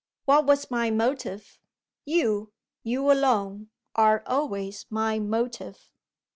What was my motive? You, you alone, are always my motive.